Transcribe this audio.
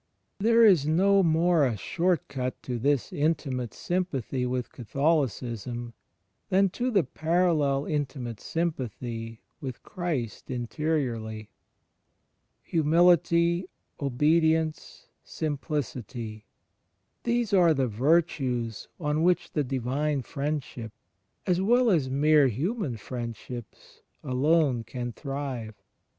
There is no more a short cut to this intimate sym pathy with Catholicism than to the parallel intimate sympathy with Christ interiorly. HumiUty, obedience, simplicity — these are the virtues on which the Divine Friendship, as well as mere human friendships, alone can thrive.